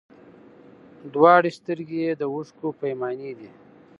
دواړي سترګي یې د اوښکو پیمانې دي